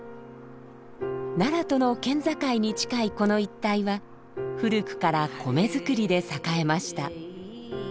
奈良との県境に近いこの一帯は古くから米作りで栄えました。